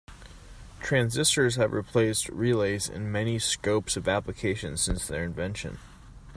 Transistors have replaced relays in many scopes of application since their invention.